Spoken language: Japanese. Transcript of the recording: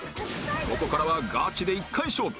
ここからはガチで１回勝負！